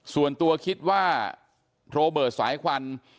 ส่วนตัวคิดว่าโรเบิร์ตสายควัน